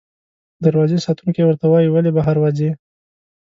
دروازې ساتونکی ورته وایي، ولې بهر وځې؟